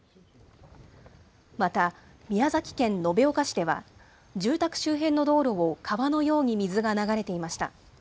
また、宮崎県延岡市では住宅周辺の道路を川のように水が流れていました。